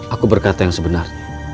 aku berkata yang sebenar